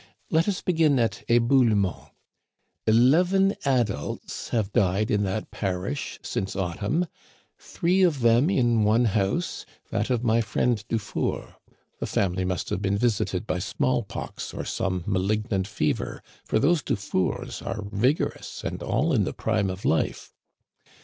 Let us begin at Eboulements: Eleven adults have died in that parish since autumn, three of them in one house, that of my friend IJufour* The Digitized by VjOOQIC 128 I^HE CANADIANS OF OLD. family must have been visited by small pox or some malignant fever, for those Dufours are vigorous and all in the prime of life.